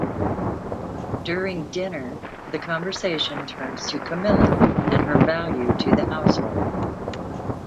During dinner, the conversation turns to Camilla and her value to the household.